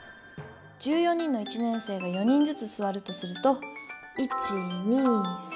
１４人の一年生が４人ずつすわるとすると１２３きゃく！